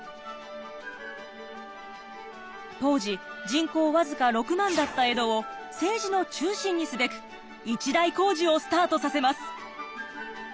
当時人口僅か６万だった江戸を政治の中心にすべく一大工事をスタートさせます。